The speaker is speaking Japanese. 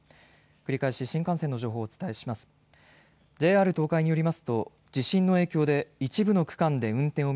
繰り返し新幹線の情報をお伝えします。